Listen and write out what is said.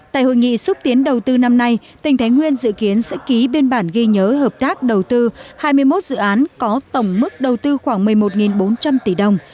tại hội nghị xúc tiến đầu tư năm nay tỉnh thái nguyên dự kiến sẽ ký biên bản ghi nhớ hợp tác đầu tư hai mươi một dự án có tổng mức đầu tư khoảng một mươi một bốn trăm linh tỷ đồng